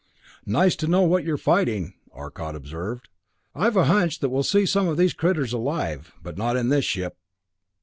"Nice to know what you're fighting," Arcot observed. "I've a hunch that we'll see some of these critters alive but not in this ship!"